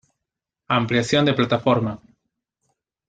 Ampliación de plataforma.